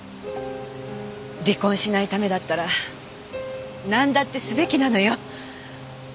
離婚しないためだったらなんだってすべきなのよ。